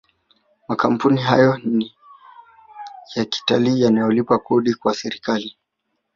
makampuni hayo ya kitalii yanalipa Kodi kwa serikali